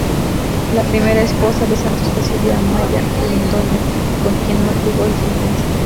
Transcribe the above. La primera esposa de Santos fue Silvia Amaya Londoño, con quien no tuvo descendencia.